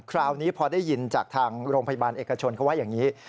คราวนี้พอได้ยินจากทางโรงพยาบาลเอกชนเขาว่าอย่างนี้